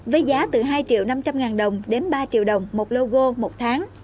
với giá từ hai triệu năm trăm linh ngàn đồng đến ba triệu đồng một kg một tháng